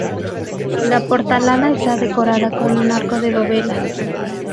La portalada está decorada con un arco con dovelas.